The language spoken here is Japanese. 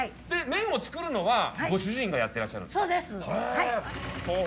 麺を作るのはご主人がやってらっしゃるんですか？